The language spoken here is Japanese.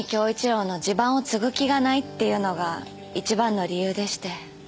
良の地盤を継ぐ気がないっていうのが一番の理由でして。